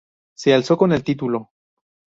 Se alzó con el título.